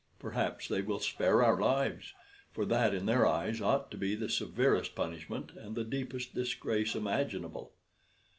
Perhaps they will spare our lives, for that in their eyes ought to be the severest punishment and the deepest disgrace imaginable."